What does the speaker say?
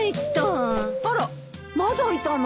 あらまだいたの。